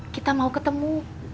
kita mau ketemu